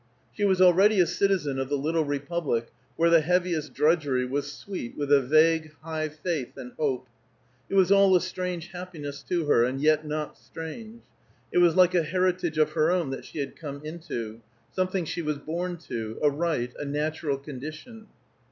She was already a citizen of the little republic where the heaviest drudgery was sweet with a vague, high faith and hope. It was all a strange happiness to her, and yet not strange. It was like a heritage of her own that she had come into; something she was born to, a right, a natural condition.